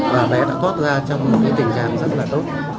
và bé đã thoát ra trong một tình trạng rất là tốt